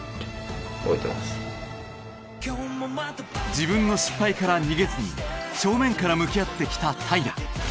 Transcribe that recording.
自分の失敗から逃げずに正面から向き合ってきた平良。